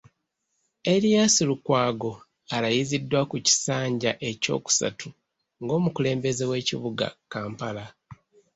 Erias Lukwago, alayiziddwa ku kisanja ekyokusatu ng’omukulembeze w’ekibuga Kampala.